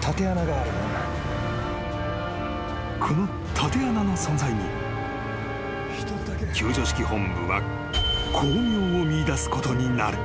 ［この縦穴の存在に救助指揮本部は光明を見いだすことになる］